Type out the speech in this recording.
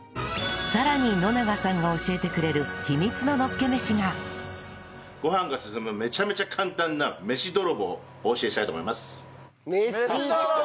さらに野永さんが教えてくれる秘密ののっけ飯がご飯がすすむめちゃめちゃ簡単なメシ泥棒お教えしたいと思います。